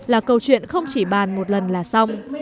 là câu chuyện không chỉ bàn một lần là xong